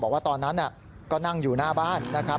บอกว่าตอนนั้นก็นั่งอยู่หน้าบ้านนะครับ